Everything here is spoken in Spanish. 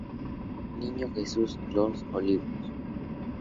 Niño Jesus Los Olivos.